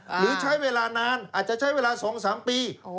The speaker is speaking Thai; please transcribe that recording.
หรือใช้เวลานานอาจจะใช้เวลา๒๓ปี